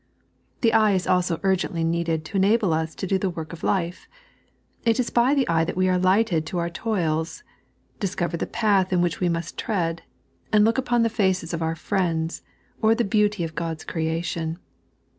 The eye is also urgently needed to enable us to do the work of life. It is by the eye that we are lighted to our toils, discover the path in which we must tread, and look upon the faces of our friends, or the beauty of Ck>d's crea tion.